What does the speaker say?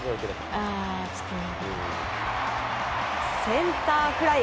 センターフライ。